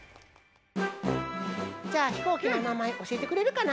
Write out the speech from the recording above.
じゃあひこうきのおなまえおしえてくれるかな？